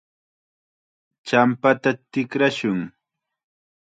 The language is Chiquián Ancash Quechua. champata tikrashun.